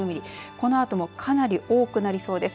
このあともかなり多くなりそうです。